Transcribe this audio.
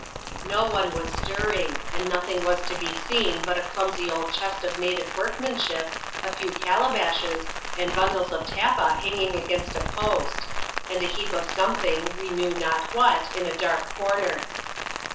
No one was stirring; and nothing was to be seen but a clumsy old chest of native workmanship, a few calabashes, and bundles of tappa hanging against a post ; and a heap of something, we knew not what, in a dark comer.